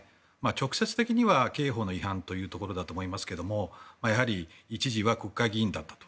直接的には刑法の違反というところだと思いますがやはり一時は国会議員だったと。